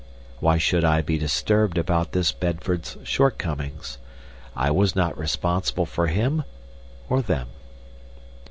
Why should I be disturbed about this Bedford's shortcomings? I was not responsible for him or them.